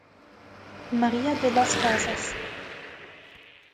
María de las Casas